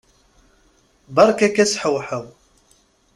Berka-k ashewhew!